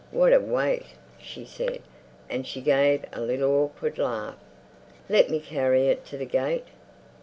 "What a weight!" she said, and she gave a little awkward laugh. "Let me carry it! To the gate."